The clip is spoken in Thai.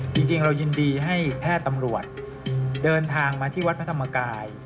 จริงเรายินดีให้แพทย์ตำรวจเดินทางมาที่วัดพระธรรมกาย